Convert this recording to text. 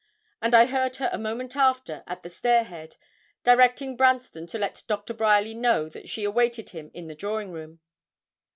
And I heard her a moment after, at the stair head, directing Branston to let Dr. Bryerly know that she awaited him in the drawing room.